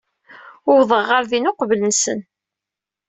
Uwḍeɣ ɣer din uqbel-nwen.